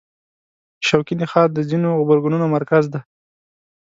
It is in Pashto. شوکي نخاع د ځینو غبرګونونو مرکز دی.